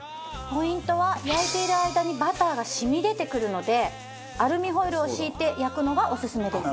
ポイントは焼いている間にバターが染み出てくるのでアルミホイルを敷いて焼くのがオススメです。